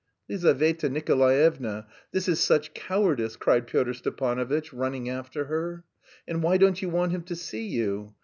"Lizaveta Nikolaevna, this is such cowardice," cried Pyotr Stepanovitch, running after her. "And why don't you want him to see you?